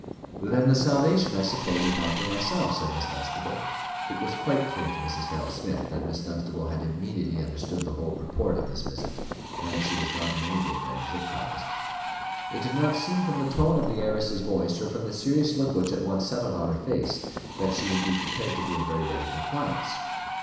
"Then the salvation, I suppose, is not for myself," said Miss Dunstable. It was quite clear to Mrs. Harold Smith that Miss Dunstable had immediately understood the whole purport of this visit, and that she was not in any great measure surprised. It did not seem from the tone of the heiress's voice, or from the serious look which at once settled on her face, that she would be prepared to give a very ready compliance.